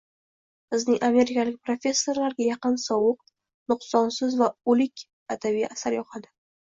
Bizning amerikalik professorlarga yorqin, sovuq, nuqsonsiz va o‘lik adabiy asar yoqadi